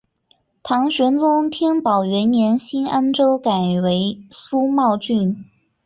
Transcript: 唐玄宗天宝元年新安州改为苏茂郡。